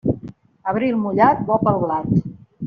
Abril mullat, bo pel blat.